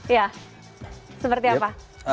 ya seperti apa